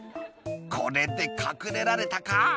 「これで隠れられたか？」